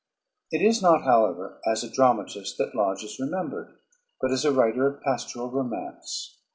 _ It is not, however, as a dramatist that Lodge is remembered, but as a writer of pastoral romance.